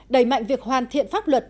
đẩy mạnh việc hoàn thiện pháp luật